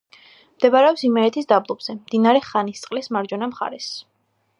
მდებარეობს იმერეთის დაბლობზე, მდინარე ხანისწყლის მარჯვენა მხარეს.